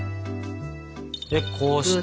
でこうして。